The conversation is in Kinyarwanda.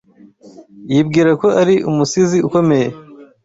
Yibwira ko ari umusizi ukomeye.